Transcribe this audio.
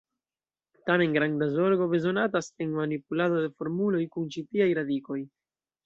Tamen, granda zorgo bezonatas en manipulado de formuloj kun ĉi tiaj radikoj.